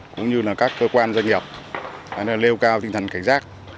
cũng như các cơ quan doanh nghiệp lêu cao tinh thần cảnh giác